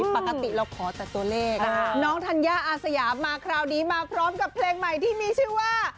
ปกติเราขอแต่ตัวเลขน้องธัญญาอาสยามมาคราวนี้มาพร้อมกับเพลงใหม่ที่มีชื่อว่า